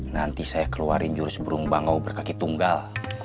nanti saya keluarin jurus burung bangau berkaki tunggal